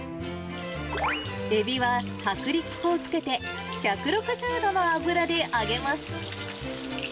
エビは、薄力粉をつけて、１６０度の油で揚げます。